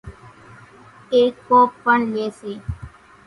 ايڪ ڪوپ پڻ لئي سي۔